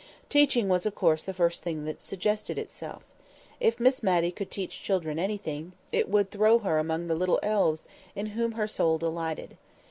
Teaching was, of course, the first thing that suggested itself. If Miss Matty could teach children anything, it would throw her among the little elves in whom her soul delighted.